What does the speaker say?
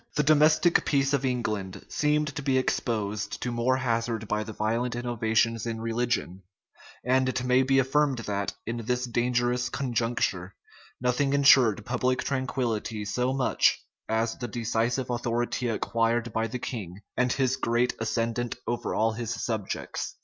The domestic peace of England seemed to be exposed to more hazard by the violent innovations in religion; and it may be affirmed that, in this dangerous conjuncture, nothing insured public tranquillity so much as the decisive authority acquired by the king, and his great ascendant over all his subjects.